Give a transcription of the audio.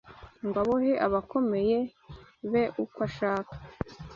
Ngo abohe abakomeye be uko ashaka